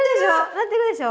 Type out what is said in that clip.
なってるでしょ。